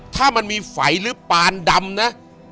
ถ้ามันมีไฟหรือปานดำนะ